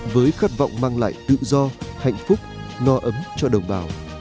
với khát vọng mang lại tự do hạnh phúc no ấm cho đồng bào